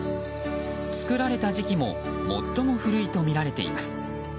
作られた時期も最も古いとみられています。